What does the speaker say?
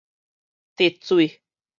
滴水